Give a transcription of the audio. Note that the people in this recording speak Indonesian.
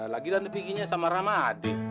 lagi lagi dia pikirnya sama ramadi